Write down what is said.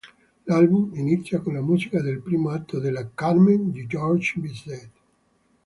L'album inizia con la musica del primo atto della "Carmen" di Georges Bizet.